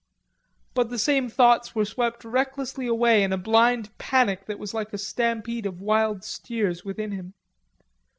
But the same thoughts were swept recklessly away in the blind panic that was like a stampede of wild steers within him.